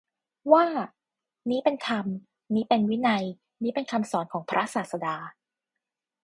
ว่า นี้เป็นธรรม นี้เป็นวินัย นี้เป็นคำสอนของพระศาสดา